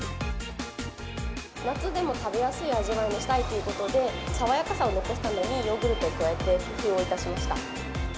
夏でも食べやすい味わいにしたいということで、爽やかさを残すために、ヨーグルトを加えて工夫をいたしました。